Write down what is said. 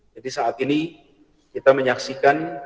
jadi saat ini kita menyaksikan